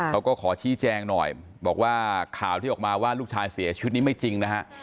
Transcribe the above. เขาก็ขอชี้แจงหน่อยบอกว่าข่าวที่ออกมาว่าลูกชายเสียชีวิตนี้ไม่จริงนะฮะ